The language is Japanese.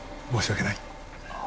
申し訳ない。